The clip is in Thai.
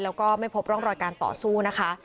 แล้วก็ไม่พบร่องรอยการต่อสู้นะคะ